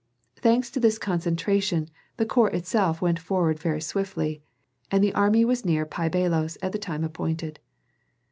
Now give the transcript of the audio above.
Thanks to this concentration, the corps itself went forward very swiftly, and the army was near Pi Bailos at the time appointed.